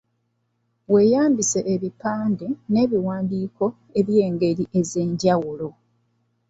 Weeyambise ebipande n’ebiwandiiko eby’engeri ez’enjawulo.